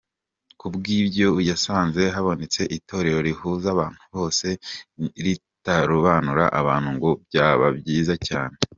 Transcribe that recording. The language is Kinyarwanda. Kubw’ibyo yasanze habonetse itorero rihuza abantu bose ritarobanura abantu ngo byaba byiza cyane.